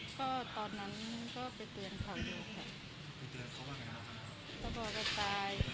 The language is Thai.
ก็ตอนนั้นก็ไปเตือนเขาดูค่ะ